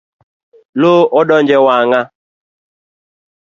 Loo odonje wanga.